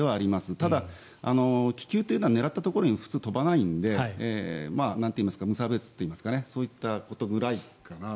ただ、気球というのは狙ったところに普通飛ばないので無差別といいますかそういったことぐらいかなと。